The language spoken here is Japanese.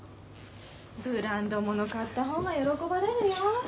ブランド物買った方が喜ばれるよ。